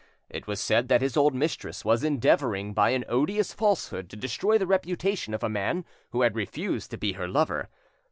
It was said that his old mistress was endeavouring by an odious falsehood to destroy the reputation of a man who had refused to be her lover.